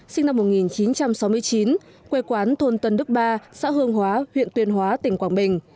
sinh năm một nghìn chín trăm sáu mươi chín quê quán thôn tân đức ba xã hương hóa huyện tuyên hóa tỉnh quảng bình